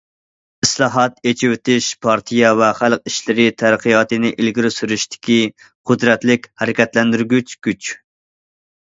ئىسلاھات، ئېچىۋېتىش پارتىيە ۋە خەلق ئىشلىرى تەرەققىياتىنى ئىلگىرى سۈرۈشتىكى قۇدرەتلىك ھەرىكەتلەندۈرگۈچ كۈچ.